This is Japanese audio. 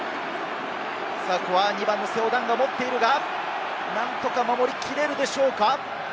ここは２番のセオ・ダンが持っているが、何とか守りきれるでしょうか？